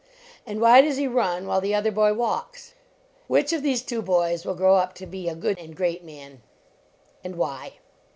And why does he run while the other boy walks ? Which of these two boys will grow up to be a good and great man ? And why